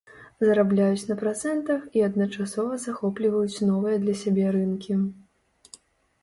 Зарабляюць на працэнтах і адначасова захопліваюць новыя для сябе рынкі.